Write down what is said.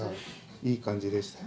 いい感じでしたよ。